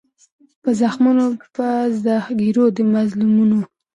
په زخمونو په زګیروي د مظلومانو